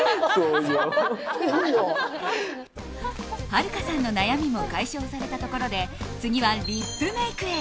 はるかさんの悩みも解消されたところで次はリップメイクへ。